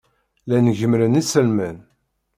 Llan gemmren iselman.